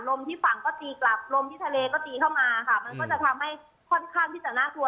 ที่ฝั่งก็ตีกลับลมที่ทะเลก็ตีเข้ามาค่ะมันก็จะทำให้ค่อนข้างที่จะน่ากลัว